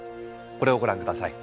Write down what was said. これをご覧下さい。